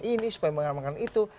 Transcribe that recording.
ini supaya mengamankan itu